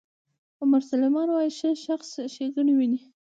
عمر سلیمان وایي ښه شخص ښېګڼې ویني.